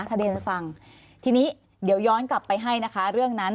ถ้าเรียนฟังทีนี้เดี๋ยวย้อนกลับไปให้นะคะเรื่องนั้น